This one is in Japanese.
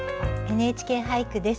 「ＮＨＫ俳句」です。